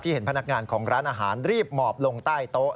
เห็นพนักงานของร้านอาหารรีบหมอบลงใต้โต๊ะ